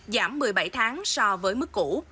giảm một mươi bảy tháng so với mức cũ